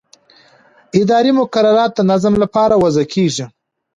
اداري مقررات د نظم لپاره وضع کېږي.